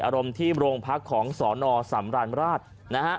สติอารมณ์ที่โรงพักษณ์ของสนสำรรรมราช